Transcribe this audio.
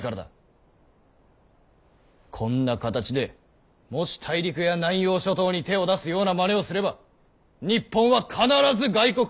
こんな形でもし大陸や南洋諸島に手を出すようなまねをすれば日本は必ず外国から疑われます。